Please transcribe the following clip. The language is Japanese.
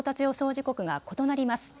時刻が異なります。